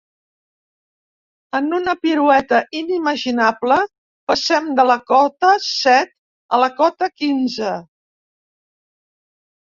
En una pirueta inimaginable, passem de la cota set a la cota quinze.